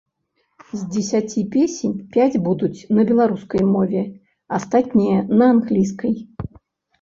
З дзесяці песень пяць будуць на беларускай мове, астатнія на англійскай.